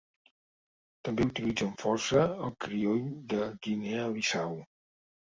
També utilitzen força el crioll de Guinea Bissau.